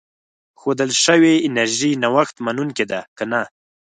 ښودل شوې انرژي نوښت منونکې ده که نه.